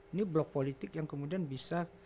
ini blok politik yang kemudian bisa